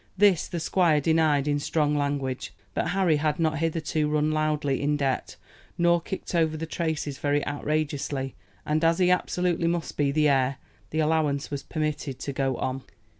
This the squire denied in strong language; but Harry had not hitherto run loudly in debt, nor kicked over the traces very outrageously; and as he absolutely must be the heir, the allowance was permitted to go on.